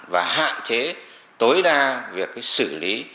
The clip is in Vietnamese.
và hạn chế tối đa việc xử lý